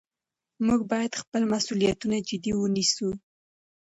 موږ باید خپل مسؤلیتونه جدي ونیسو